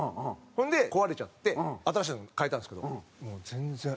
ほんで壊れちゃって新しいのに替えたんですけどもう全然。